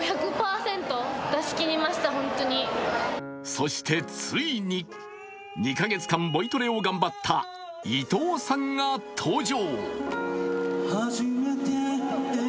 そして、ついに２か月間ボイトレを頑張った伊藤さんが登場。